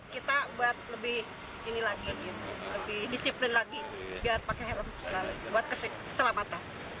kita buat lebih ini lagi lebih disiplin lagi biar pakai helm selalu buat keselamatan